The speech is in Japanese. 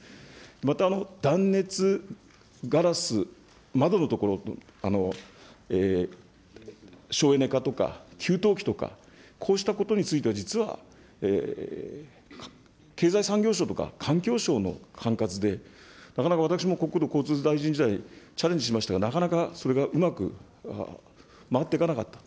また、断熱ガラス、窓の所、省エネ化とか、給湯器とか、こうしたことについては実は経済産業省とか環境省の管轄で、なかなか私も国土交通大臣時代、チャレンジしましたが、なかなかそれがうまく回っていかなかった。